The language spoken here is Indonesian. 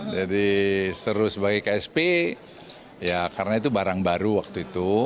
jadi seru sebagai ksp ya karena itu barang baru waktu itu